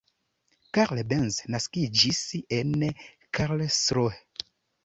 Karl Benz naskiĝis en Karlsruhe.